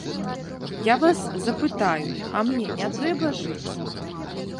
Я вас запытаю, а мне не трэба жыць?